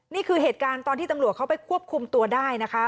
นี่คือเหตุการณ์ตอนที่ตำรวจเขาไปควบคุมตัวได้นะคะ